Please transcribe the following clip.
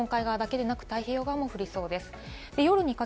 日本海側だけではなく太平洋側も降りそうです。